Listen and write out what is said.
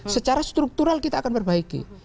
secara struktural kita akan perbaiki